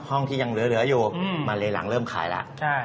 ห้องที่ยังเหลืออยู่มาเลหลังเริ่มขายแล้ว